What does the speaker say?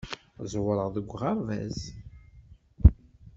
Ẓewreɣ deg uɣerbaz.